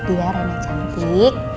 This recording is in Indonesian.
iya rena cantik